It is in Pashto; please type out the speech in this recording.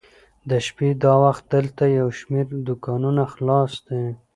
د شپې دا وخت دلته یو شمېر دوکانونه خلاص دي.